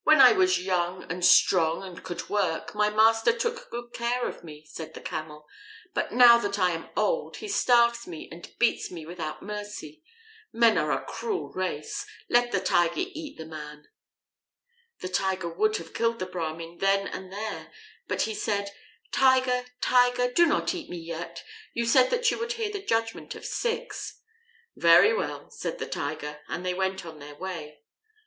"When I was young and strong and could work, my master took good care of me," said the Camel; "but now that I am old, he starves me and beats me without mercy. Men are a cruel race. Let the Tiger eat the man." The Tiger would have killed the Brahmin then and there, but he said: "Tiger, Tiger, do not eat me yet. You said that you would hear the judgment of six." "Very well," said the Tiger, and they went on their way.